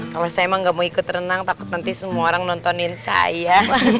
kalau saya emang gak mau ikut renang takut nanti semua orang nontonin saya